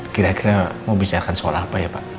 kira kira mau bicarakan soal apa ya pak